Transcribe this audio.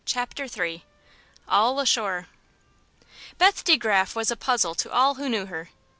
CHAPTER III "ALL ASHORE" Beth De Graf was a puzzle to all who knew her.